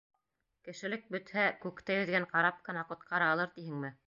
Кешелек бөтһә, күктә йөҙгән карап ҡына ҡотҡара алыр тиһеңме?